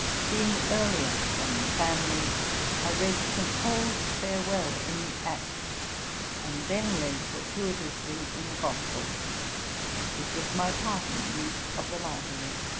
Being earlier than the family, I read St. Paul's farewell in the Acts [xx. 17 end], and then read fortuitously in the gospels, which was my parting use of the library.'